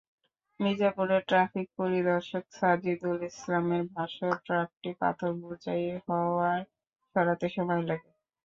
মির্জাপুরের traffic পরিদর্শক সাজিদুল ইসলামের ভাষ্য, ট্রাকটি পাথর বোঝাই হওয়ায় সরাতে সময় লাগে।